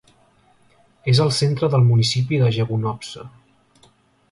És el centre del municipi de Jegunovce.